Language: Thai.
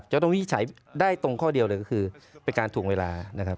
จะต้องใช้ได้ตรงข้อเดียวเลยก็คือเป็นการถูกเวลา